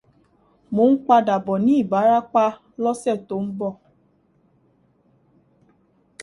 Mo ń padà bọ̀ ní Ibarapa lọ́sẹ́ tó ń bọ̀.